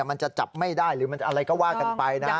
มันจะจับไม่ได้หรือมันอะไรก็ว่ากันไปนะฮะ